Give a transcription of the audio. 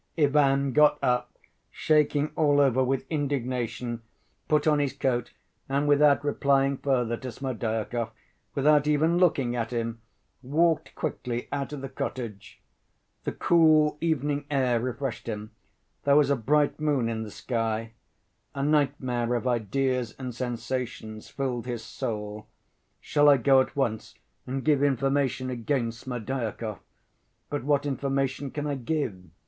Ivan got up, shaking all over with indignation, put on his coat, and without replying further to Smerdyakov, without even looking at him, walked quickly out of the cottage. The cool evening air refreshed him. There was a bright moon in the sky. A nightmare of ideas and sensations filled his soul. "Shall I go at once and give information against Smerdyakov? But what information can I give?